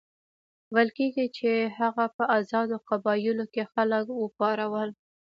ویل کېږي چې هغه په آزادو قبایلو کې خلک وپارول.